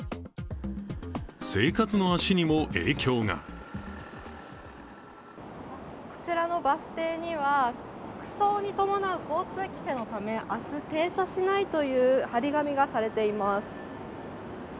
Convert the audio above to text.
生活の足にも影響がこちらのバス停には、国葬に伴う交通規制のため明日、停車しないという貼り紙がされています。